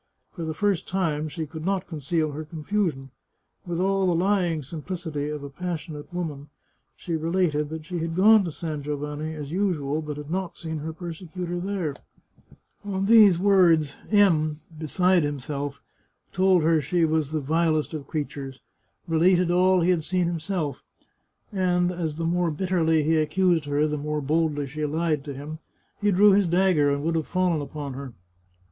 For the first time she could not conceal her confusion. With all the lying simplicity of a passionate woman, she related that she had gone to San Giovanni as usual, but had not seen her persecutor there. On these 240 The Chartreuse of Parma words M , beside himself, told her she was the vilest of creatures, related all he had seen himself, and, as the more bitterly he accused her, the more boldly she lied to him, he drew his dagger and would have fallen upon her.